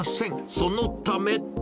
そのため。